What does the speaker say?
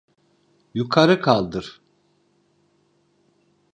Yukarı kaldır.